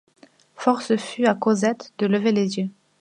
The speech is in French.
Force fut à Cosette de lever les yeux.